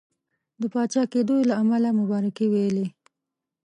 د پاچا کېدلو له امله مبارکي ویلې.